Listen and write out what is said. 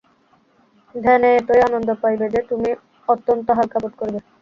ধ্যানে এতই আনন্দ পাইবে যে, তুমি অত্যন্ত হালকা বোধ করিবে।